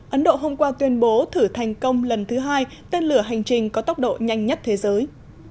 ấn độ hôm qua tuyên bố thử thành công lần thứ hai tên lửa hành trình có tốc độ nhanh nhất thế giới